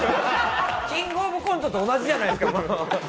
「キングオブコント」と同じじゃないですか！